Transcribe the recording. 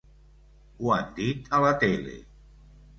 Ho han dit a la tele.